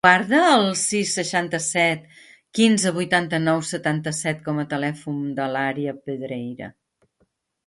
Guarda el sis, seixanta-set, quinze, vuitanta-nou, setanta-set com a telèfon de l'Ària Pedreira.